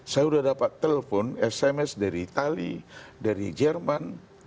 saya sudah dapat telepon sms dari itali dari jerman